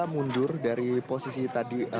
mundur dari posisi tadi